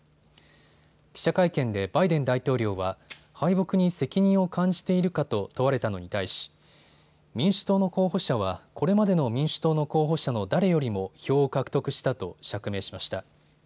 記者会見でバイデン大統領は敗北に責任を感じているかと問われたのに対し民主党の候補者は、これまでの民主党の候補者の誰よりも票を獲得したと釈明しました。